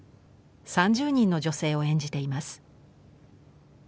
３０人の女性を演じています。